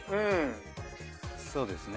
そうですね。